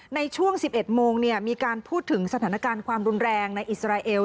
ในช่วง๑๑โมงมีการพูดถึงสถานการณ์ความรุนแรงในอิสราเอล